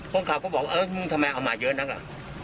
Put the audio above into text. คนขาบก็บอกเออมึงทำประโยชน์มาใหญ่เยอะหนักเหรอ